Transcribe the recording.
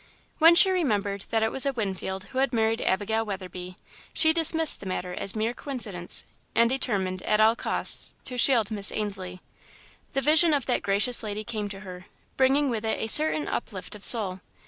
When she remembered that it was a Winfield who had married Abigail Weatherby, she dismissed the matter as mere coincidence, and determined, at all costs, to shield Miss Ainslie. The vision of that gracious lady came to her, bringing with it a certain uplift of soul.